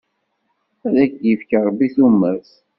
Ad ak-d-yefk Ṛebbi tumert.